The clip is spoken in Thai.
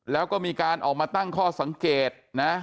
แล้วก็มีการออกมาตั้งข้อสังเกตนะ